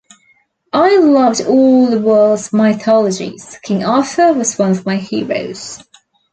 I loved all the world's mythologies; King Arthur was one of my heroes.